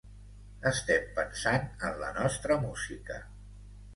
Estem pensant en la nostra música.